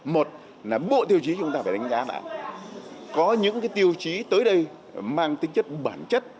một là bộ tiêu chí chúng ta phải đánh giá là có những tiêu chí tới đây mang tính chất bản chất